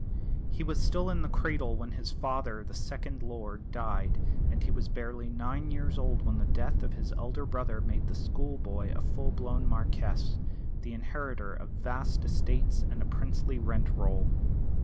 He was still in the cradle when his father, the second lord, died; and he was barely nine years old when the death of his elder brother made the school boy a full blown Marquess, the inheritor of vast estates and a princely rent roll.